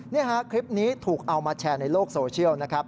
นี่ฮะคลิปนี้ถูกเอามาแชร์ในโลกโซเชียลนะครับ